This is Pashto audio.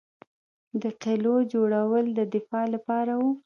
د قلعو جوړول د دفاع لپاره وو